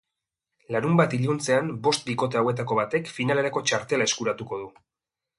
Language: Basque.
Larunbat iluntzean bost bikote hauetako batek finalerako txartela eskuratuko du.